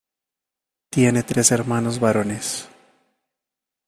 Tiene tres hermanos varones.